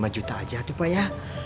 tujuh puluh lima juta aja tuh pak ya